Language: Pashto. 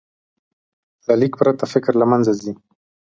له لیک پرته، فکر له منځه ځي.